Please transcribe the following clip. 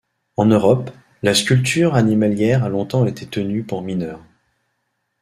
En Europe, la sculpture animalière a longtemps été tenue pour mineure.